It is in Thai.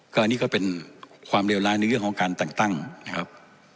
อันนี้ก็เป็นความเลวร้ายในเรื่องของการแต่งตั้งนะครับ